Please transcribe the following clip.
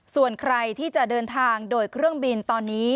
ส่วนใครที่จะเดินทางโดยเครื่องบินตอนนี้